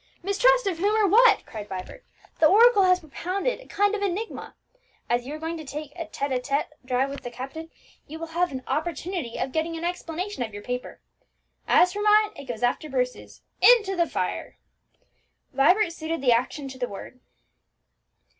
_ "Mistrust of what or of whom?" said Vibert. "The oracle has propounded a kind of enigma: as you are going to take a tête à tête drive with the captain, you will have an opportunity of getting an explanation of your paper. As for mine, it goes after Bruce's into the fire." Vibert suited the action to the word.